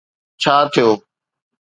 ڇا ٿيو؟